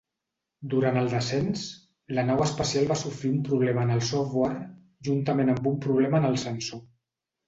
Durant el descens, la nau espacial va sofrir un problema en el software juntament amb un problema en el sensor.